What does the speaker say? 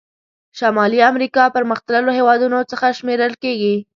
شمالي امریکا پرمختللو هېوادونو څخه شمیرل کیږي.